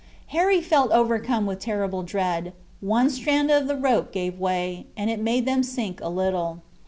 Harry felt overcome with terrible dread. One strand of the rope gave way, and it made them sink a little.